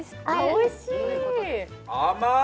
おいしい。